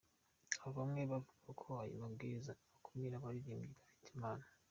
Aho bamwe bavugaga ko ayo mabwiriza akumira abaririmbyi bafite impano.